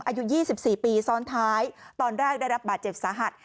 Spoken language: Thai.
อายุ๒๔ปีซ้อนท้ายตอนแรกได้รับบาดเจ็บสาหัส